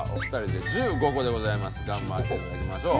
頑張っていただきましょう。